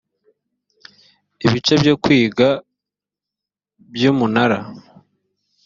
ibice byo kwigwa by umunara